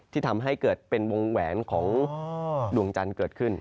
ที่ทำให้เกิดเป็นวงแหวนของดวงจันทร์เกิดขึ้น